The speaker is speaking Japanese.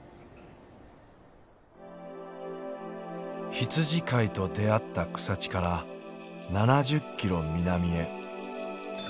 羊飼いと出会った草地から７０キロ南へ。